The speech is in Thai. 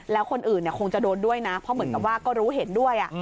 แล้วคนอื่นคงจะโดนด้วยนะเพราะเหมือนกับว่าก็รู้เห็นด้วย